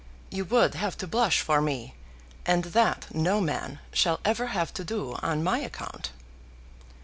You would have to blush for me, and that no man shall ever have to do on my account.